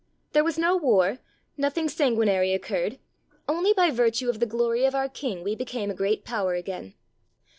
There was no war; nothing sanguin ary occurred. Only by virtue of the glory of our king we became a great Power again.